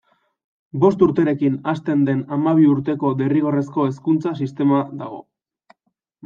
Bost urterekin hasten den hamabi urteko derrigorrezko hezkuntza sistema dago.